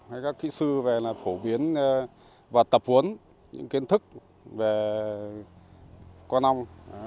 hay các kỹ sư về là phổ biến và tập huấn những kiến thức về con ong